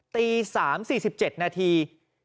ตี๓๔๗นาที